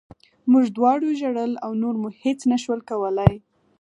موږ دواړو ژړل او نور مو هېڅ نه شول کولی